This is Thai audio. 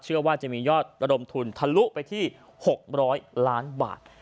เชื่อว่าจะมียอดระดมทุนทะลุไปที่๖๐๐ล้านบาท